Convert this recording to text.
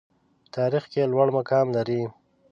په تاریخ کې لوړ مقام لري.